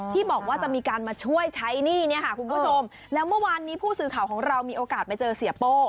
ที่บอกว่าจะมีการมาช่วยใช้หนี้เนี่ยค่ะคุณผู้ชมแล้วเมื่อวานนี้ผู้สื่อข่าวของเรามีโอกาสไปเจอเสียโป้